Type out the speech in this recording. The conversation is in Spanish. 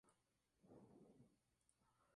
Su pico es oscuro, corto y robusto.